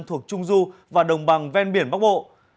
thuộc trung du và đồng bằng ven biển bắc bộ